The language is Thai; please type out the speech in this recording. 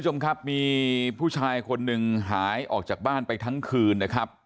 มีผู้ชายคนหนึ่งหายออกจากบ้านไปทั้งคืนนะครับ